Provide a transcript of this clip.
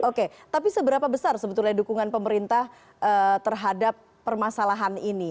oke tapi seberapa besar sebetulnya dukungan pemerintah terhadap permasalahan ini